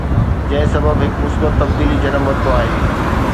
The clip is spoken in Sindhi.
جنهن سبب هڪ مثبت تبديلي جنم ورتو آهي